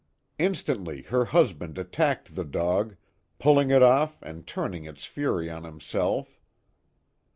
Instantly her husband attacked the dog, pull ing it off and turning its fury on himself.